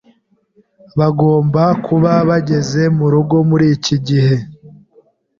Bagomba kuba bageze murugo muriki gihe.